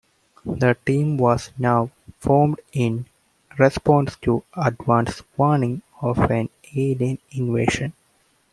The team was now formed in response to advance warning of an alien invasion.